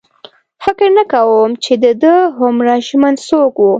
فکر نه کوم چې د ده هومره ژمن څوک و.